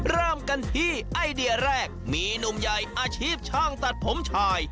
เริ่มกันที่ไอเดียแรกมีหนุ่มใหญ่อาชีพช่างตัดผมชาย